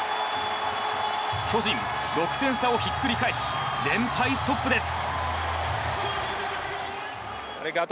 巨人、６点差をひっくり返し連敗ストップです。